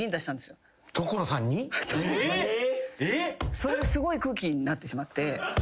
それですごい空気になってしまって。